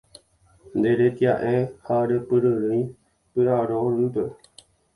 Nderetia'e ha repyryrỹi py'arorýpe